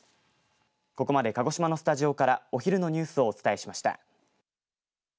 ここまで鹿児島のスタジオからお昼のニュースをお伝えしました。